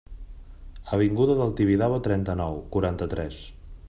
Avinguda del Tibidabo trenta-nou, quaranta-tres.